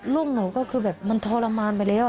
ลูกหนูก็คือแบบมันทรมานไปแล้ว